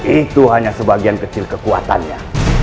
itu hanya sebagian kecil kekuatannya